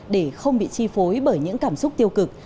để không bị chi phối bởi những cảm xúc tiêu cực